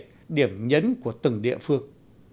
và đặc biệt điểm nhấn của từng địa phương